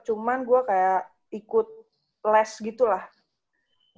cuma gue kayak ikut les gitu lah